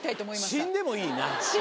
死んでもいい。